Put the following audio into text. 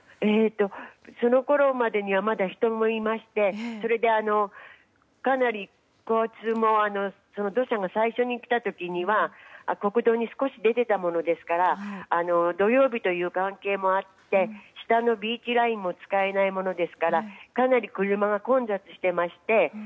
そのころまでにはまだ人もいましてそれで、かなり交通も土砂が最初に来た時には国道に少し出てたものですから土曜日という関係もあってビーチラインも使えないものですからかなり車が混雑していまして。